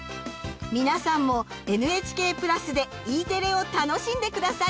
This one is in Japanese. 皆さんもＮＨＫ＋でＥテレを楽しんで下さい。